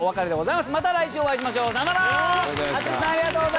また来週お会いしましょう。さようなら！